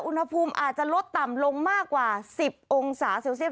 อุณหภูมิอาจจะลดต่ำลงมากกว่า๑๐องศาเซลเซียส